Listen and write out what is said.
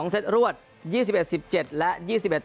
๒เซ็ตรวด๒๑๑๗และ๒๑๑๖